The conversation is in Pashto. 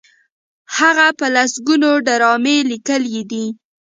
هغه په لسګونو ډرامې لیکلي دي.